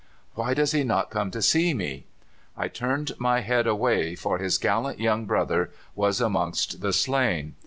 "'Why does he not come to see me?' "I turned my head away, for his gallant young brother was amongst the slain.